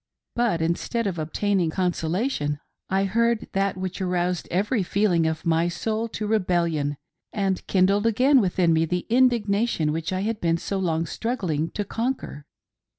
But instead of obtaining consolation, I heard that THE CROWNING GLORY OF CREATION! 343 which aroused every feeling of my soul to rebellion and kindled again within me the indiignation which I had been so long struggling to conquer.